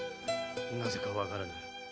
なぜか分からぬ。